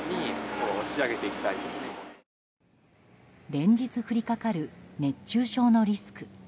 連日降りかかる熱中症のリスク。